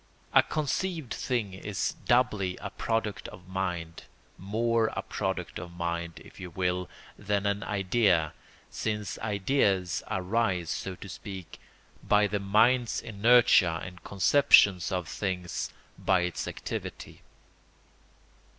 A conceived thing is doubly a product of mind, more a product of mind, if you will, than an idea, since ideas arise, so to speak, by the mind's inertia and conceptions of things by its activity.